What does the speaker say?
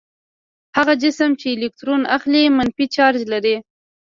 هغه جسم چې الکترون اخلي منفي چارج لري.